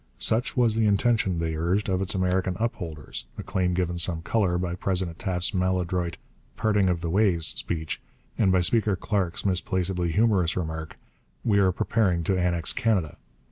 Such was the intention, they urged, of its American upholders, a claim given some colour by President Taft's maladroit 'parting of the ways' speech and by Speaker Clark's misplacedly humorous remark, 'we are preparing to annex Canada.'